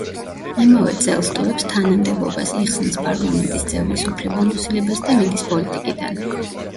იმავე წელს ტოვებს თანამდებობას, იხსნის პარლამენტის წევრის უფლებამოსილებას და მიდის პოლიტიკიდან.